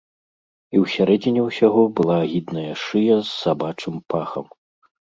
І ў сярэдзіне ўсяго была агідная шыя з сабачым пахам.